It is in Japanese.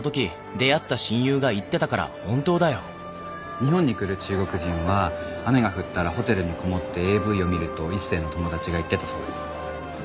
日本に来る中国人は雨が降ったらホテルにこもってＡＶを見ると一星の友達が言ってたそうです。